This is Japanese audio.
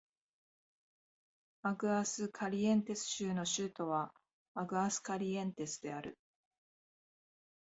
アグアスカリエンテス州の州都はアグアスカリエンテスである